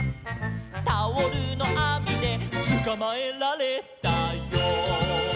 「タオルのあみでつかまえられたよ」